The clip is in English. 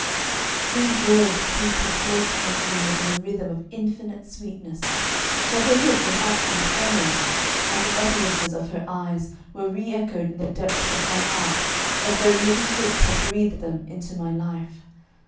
These words seemed to float to my ears in a rhythm of infinite sweetness, for her look was actually sonorous, and the utterances of her eyes were reechoed in the depths of my heart as though living lips had breathed them into my life.